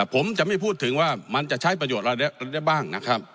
ผมจะไม่พูดถึงว่ามันจะใช้ประโยชน์อะไรได้บ้างนะครับ